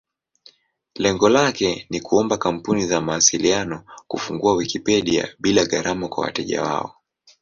Lengo lake ni kuomba kampuni za mawasiliano kufungua Wikipedia bila gharama kwa wateja wao.